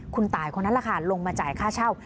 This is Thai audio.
คุณตายคนนั้นแหละค่ะลงมาจ่ายค่าเช่า